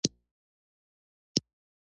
قرار میدارم یې لیکلی شوای.